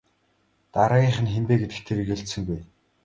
Дараагийнх нь хэн бэ гэдэгт тэр эргэлзсэнгүй.